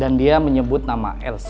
dan dia menyebut nama elsa